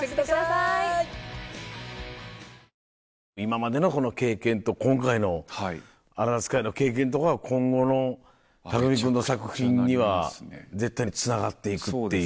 今までのこの経験と今回の『ＡＮＯＴＨＥＲＳＫＹ』の経験とかが今後の工君の作品には絶対につながっていくっていう。